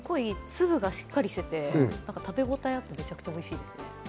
粒がしっかりしてて食べごたえがあって、めちゃくちゃおいしいです。